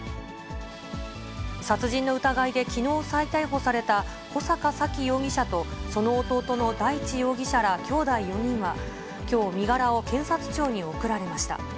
殺人の疑いで、きのう再逮捕された、穂坂沙喜容疑者と、その弟の大地容疑者らきょうだい４人は、きょう、身柄を検察庁に送られました。